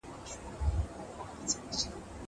زه اوس مينه څرګندوم!